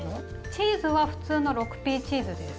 チーズは普通の６Ｐチーズです。